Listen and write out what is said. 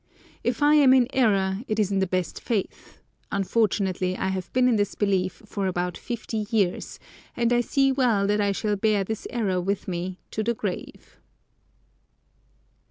If I am in error, it is in the best faith; unfortunately, I have been in this belief for about fifty years, and I see well that I shall bear this error with me to the grave."